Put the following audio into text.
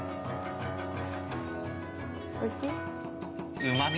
おいしい？